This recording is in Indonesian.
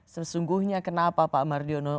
sesungguhnya kenapa pak mardiono